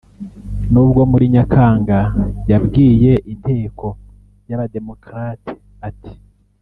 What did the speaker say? nubwo muri Nyakanga yabwiye Inteko y’Aba démocrate ati